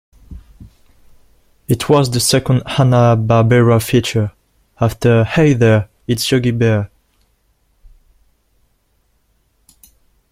It was the second Hanna-Barbera feature, after Hey There, It's Yogi Bear!